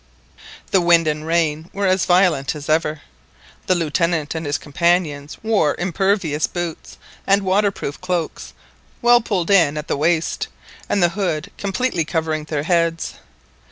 The wind and rain were as violent as ever. The Lieutenant and his companion wore impervious boots and water proof cloaks well pulled in at the waist, and the hood completely covering their heads.